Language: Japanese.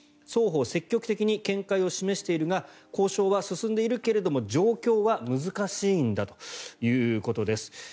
双方積極的に見解を示しているが交渉は進んでいるけれども状況は難しいんだということです。